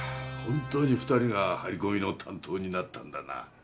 本当に２人が張り込みの担当になったんだな。